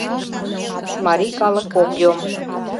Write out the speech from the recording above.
Марий калык ок йом...